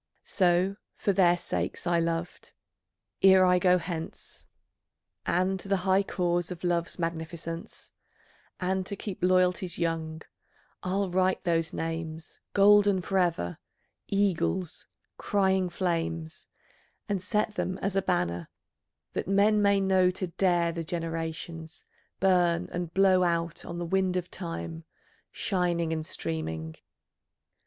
So, for their sakes I loved, ere I go hence, And the high cause of Love's magnificence, And to keep loyalties young, I'll write those names Golden for ever, eagles, crying flames, And set them as a banner, that men may know, To dare the generations, burn, and blow Out on the wind of Time, shining and streaming....